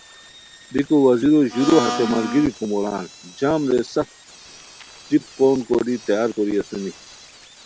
بیکو وزیرو ژورو ہتے ملگیری کوموران جام رے سف ٹیپ قون کوری تیار کوری اسونی